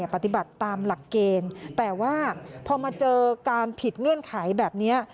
ปฏิบัติตามหลักเกณฑ์แต่ว่าพอมาเจอการผิดเงื่อนไขแบบนี้